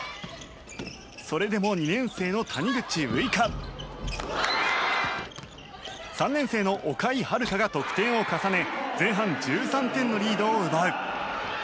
それでも２年生の谷口憂花３年生の岡井遥香が得点を重ね前半１３点のリードを奪う。